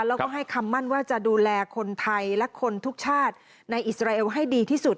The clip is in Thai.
แล้วก็ให้คำมั่นว่าจะดูแลคนไทยและคนทุกชาติในอิสราเอลให้ดีที่สุด